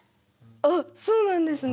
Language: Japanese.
あっそうなんですね。